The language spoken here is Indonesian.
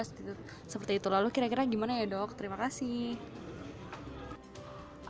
seperti itu lalu kira kira gimana ya dok terima kasih